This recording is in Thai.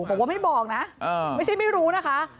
บอกว่าไม่บอกนะไม่ใช่ไม่รู้นะคะ